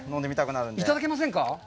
いただけませんか？